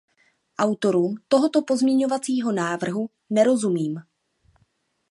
Autorům tohoto pozměňovacího návrhu nerozumím.